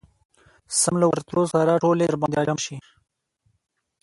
سم له ورتلو سره ټولې درباندي راجمعه شي.